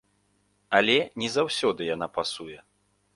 Але не заўсёды яна пасуе.